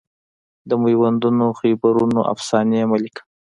د میوندونو خیبرونو افسانې مه لیکه